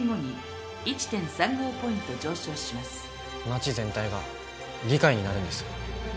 町全体が議会になるんです。